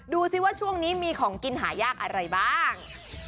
ดูสิว่าช่วงนี้มีของกินหายากอะไรบ้าง